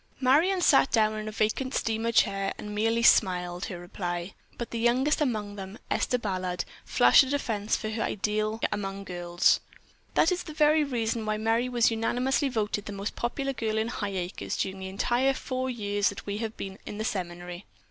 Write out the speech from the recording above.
Marion sat down in a vacant steamer chair, and merely smiled her reply, but the youngest among them, Esther Ballard, flashed a defense for her ideal among girls. "That's the very reason why Merry was unanimously voted the most popular girl in Highacres during the entire four years that we have been at the seminary.